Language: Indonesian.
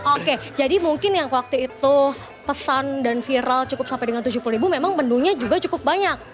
oke jadi mungkin yang waktu itu pesan dan viral cukup sampai dengan tujuh puluh ribu memang menunya juga cukup banyak